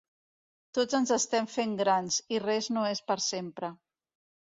Tots ens estem fent grans, i res no és per sempre.